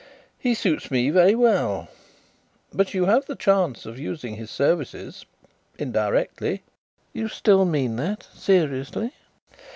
"He suits me very well. But you have the chance of using his services indirectly." "You still mean that seriously?"